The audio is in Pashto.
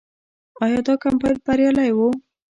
آیا دا کمپاین بریالی و؟